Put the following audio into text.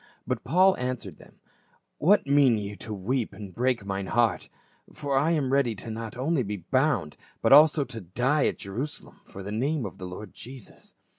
But Paul answered them, " What mean ye to weep and break mine heart ? for I am ready not to be bound only, but also to die at Jerusalem for the name of the Lord Jesus."